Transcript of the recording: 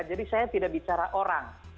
jadi saya tidak bicara orang